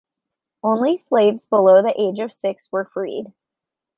Only slaves below the age of six were freed.